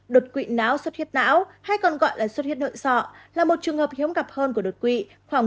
đột quỵ não xuất hiếp não hay còn gọi là xuất hiếp nội sọ là một trường hợp hiếm gặp hơn của đột quỵ khoảng một mươi năm